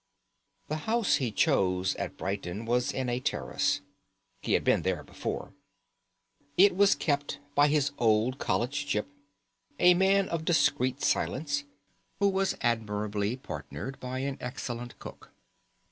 The house he chose at Brighton was in a terrace. He had been there before. It was kept by his old college gyp, a man of discreet silence, who was admirably partnered by an excellent cook.